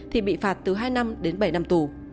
thì bị phạt từ hai năm đến bảy năm tù